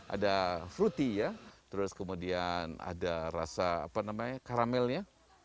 ada fruity ya terus kemudian ada rasa karamelnya